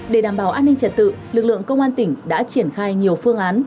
để đảm bảo an ninh trật tự lực lượng công an tỉnh đã triển khai nhiều phương án